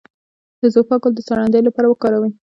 د زوفا ګل د ساه لنډۍ لپاره وکاروئ